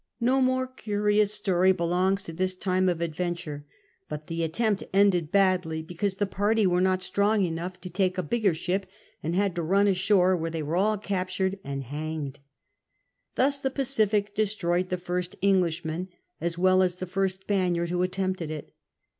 No more curious story belongs to this time of adventure. 48 CAPTAIN COOK CHA?. But the attempt ended badly, because the party were not strong enough to take a bigger ship and had to run ashore, where they were all captured and hanged. Thus the Pacific destroyed the first Englishman as well as the first Spaniard who attempted it.